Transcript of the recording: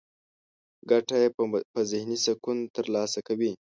ګټه يې په ذهني سکون ترلاسه کوي.